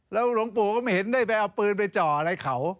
แล้วหลวงปู่ก็ไม่เห็นได้ไปเอาปืนไปจ่ออะไรเขา